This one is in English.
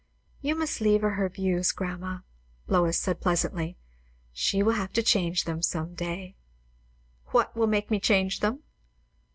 "You must leave her her views, grandma," said Lois pleasantly. "She will have to change them, some day." "What will make me change them?"